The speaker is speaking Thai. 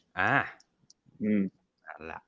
ใช่ค่ะ